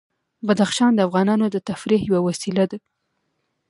بدخشان د افغانانو د تفریح یوه وسیله ده.